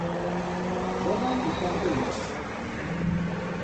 Bona i santa nit!